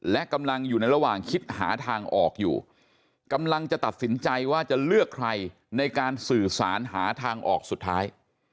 และกำลังอยู่ในระหว่างคิดหาทางออกอยู่กำลังจะตัดสินใจว่าจะเลือกใครในการสื่อสารหาทางออกสุดท้าย